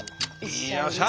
よっしゃ。